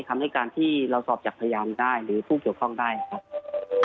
คำให้การที่เราสอบจากพยานได้หรือผู้เกี่ยวข้องได้นะครับ